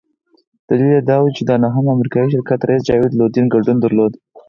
دلیل یې دا وو چې د انهم امریکایي شرکت رییس جاوید لودین ګډون درلود.